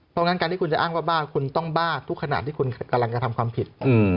เพราะงั้นการที่คุณจะอ้างว่าบ้าคุณต้องบ้าทุกขณะที่คุณกำลังกระทำความผิด